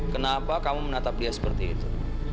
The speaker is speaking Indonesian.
kenapa kamu menatap dia seperti itu